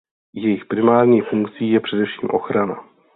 Jejich primární funkcí je především ochrana.